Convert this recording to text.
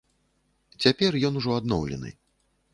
Цяпер ён ужо адноўлены.